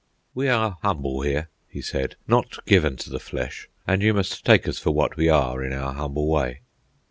"We are humble here," he said, "not given to the flesh, and you must take us for what we are, in our humble way."